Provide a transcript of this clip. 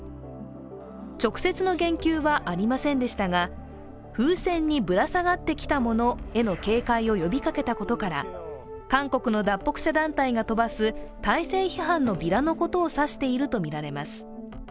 直接の言及はありませんでしたが、風船にぶらさがってきたものへの警戒を呼びかけたことから韓国の脱北者団体が飛ばす体制批判のビラのことを指しているとみられます。